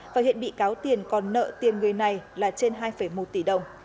và hiện bị cáo tiền còn nợ tiền người này là trên hai một tỷ đồng